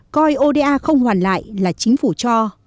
coi ô đa không hoàn lại là chính phủ cho